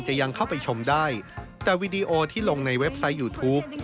ยังเข้าไปชมได้แต่วีดีโอที่ลงในเว็บไซต์ยูทูป